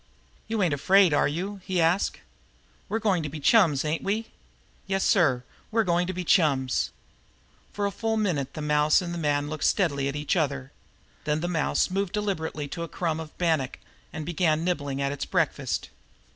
"You ain't afraid, are you?" he asked. "We're goin' to be chums, ain't we? Yessir, we're goin' to be chums!" For a full minute the mouse and the man looked steadily at each other. Then the mouse moved deliberately to a crumb of bannock and began nibbling at its breakfast.